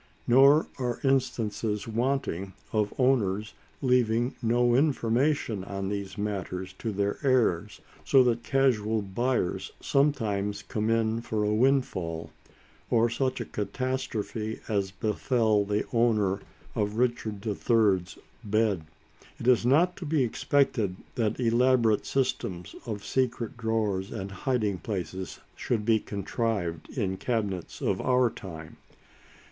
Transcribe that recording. Nor are instances wanting of owners leaving no information on these matters to their heirs, so that casual buyers sometimes come in for a windfall, or such a catastrophe as befell the owner of Richard the Third's bed. It is not to be expected that elaborate systems of secret drawers and hiding places should be contrived in cabinets of our time.